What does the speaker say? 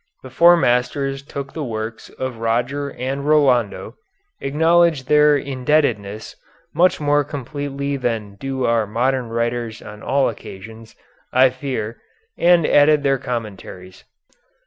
The Four Masters took the works of Roger and Rolando, acknowledged their indebtedness much more completely than do our modern writers on all occasions, I fear, and added their commentaries.